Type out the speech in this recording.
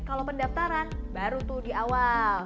kalau pendaftaran baru tuh di awal